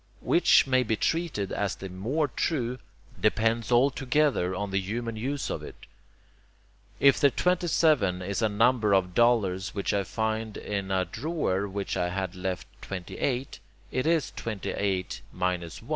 Which may be treated as the more true, depends altogether on the human use of it. If the 27 is a number of dollars which I find in a drawer where I had left 28, it is 28 minus 1.